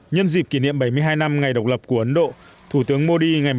nhân dịp kỷ niệm bảy mươi hai năm ngày độc lập của ấn độ